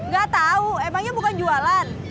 gak tau emangnya bukan jualan